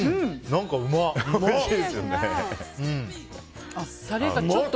何か、うまっ。